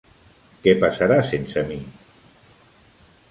Què passarà sense mi?